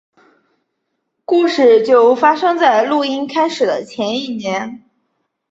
故事就发生在录音开始的前一年。